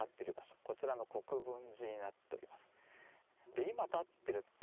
こちらの「国分寺」になっております。